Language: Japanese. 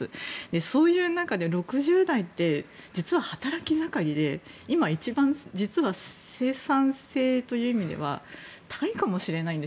そういう中で６０代って実は働き盛りで今、一番生産性という意味では高いかもしれないんです